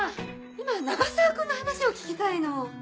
今は永沢君の話を聞きたいの。